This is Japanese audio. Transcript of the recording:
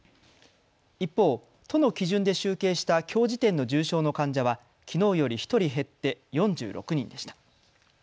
一方、都の基準で集計したきょう時点の重症の患者はきのうより１人減って４６人でした。